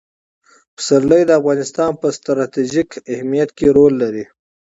پسرلی د افغانستان په ستراتیژیک اهمیت کې رول لري.